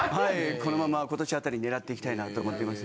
このまま今年あたり狙っていきたいなと思ってます。